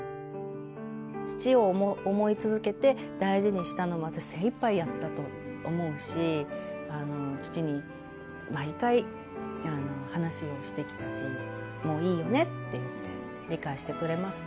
父を思い続けて大事にしたし、私は精いっぱいやったと思うし、父に毎回、話をしてきたし、もういいよね？って言って、理解してくれますか？